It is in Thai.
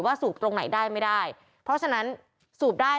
สูบตรงไหนได้ไม่ได้เพราะฉะนั้นสูบได้